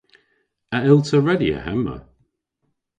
A yll'ta redya hemma?